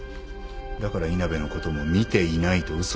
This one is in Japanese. だから稲辺のことも見ていないと嘘をついた。